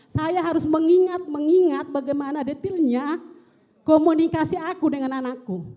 saya harus mengingat mengingat bagaimana detailnya komunikasi aku dengan anakku